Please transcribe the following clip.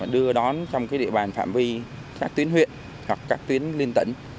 đưa đón trong địa bàn phạm vi các tuyến huyện hoặc các tuyến liên tỉnh